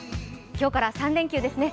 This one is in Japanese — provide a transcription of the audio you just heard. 今日から３連休ですね。